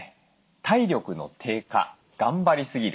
体力の低下・頑張りすぎる。